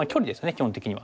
基本的には。